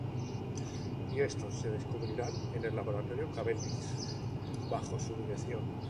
Y estos se descubrirán en el laboratorio Cavendish, bajo su dirección.